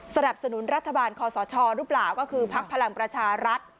สนับสนุนรัฐบาลคอสชหรือเปล่าก็คือพักพลังประชารัฐ